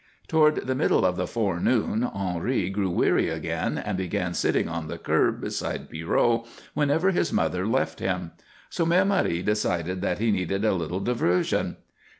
Toward the middle of the forenoon Henri grew weary again and began sitting on the curb beside Pierrot whenever his mother left him. So Mère Marie decided that he needed a little diversion.